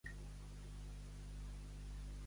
Els d'Albons, els grocs.